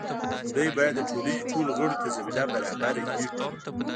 لومړی باید د ټولنې ټولو غړو ته زمینه برابره وي.